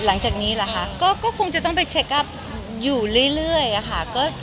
หลังจากนี้เหรอคะก็คงจะต้องไปเช็คอัพอยู่เรื่อยค่ะ